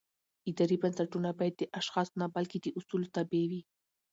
اداري بنسټونه باید د اشخاصو نه بلکې د اصولو تابع وي